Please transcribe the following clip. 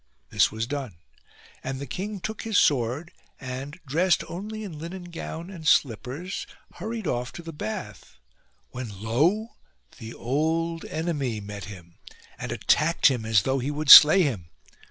This was done ; and the king took his sword and, dressed only in linen gown and slippers, hurried off to the bath ; when lo ! the Old Enemy met him, and attacked him as though he would slay him.